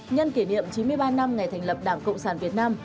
nhân kỷ niệm chín mươi ba năm ngày thành lập đảng cộng sản việt nam